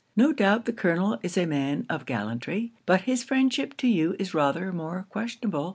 No doubt the Colonel is a man of gallantry; but his friendship to you is rather more questionable.